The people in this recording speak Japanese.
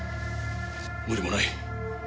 無理もない。